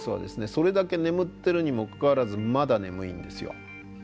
それだけ眠ってるにもかかわらずまだ眠いんですよ。